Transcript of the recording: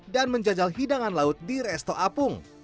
dan menjajal hidangan laut di resto apung